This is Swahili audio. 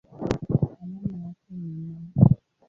Alama yake ni Na.